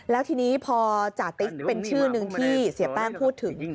แล้วทีนี้พอจาติ๊กเป็นชื่อหนึ่งที่เสียแป้งพูดถึง